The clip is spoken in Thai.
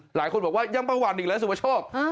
หลายคนบอกว่ายังประวัติอีกแล้วสุประโชค